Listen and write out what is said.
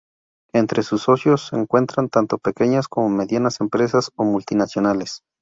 Entre sus socios se encuentran tanto pequeñas como medianas empresas o multinacionales.